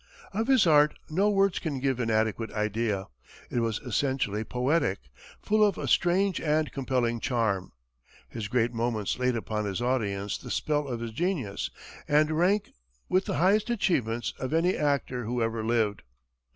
Of his art no words can give an adequate idea. It was essentially poetic, full of a strange and compelling charm. His great moments laid upon his audience the spell of his genius, and rank with the highest achievements of any actor who ever lived.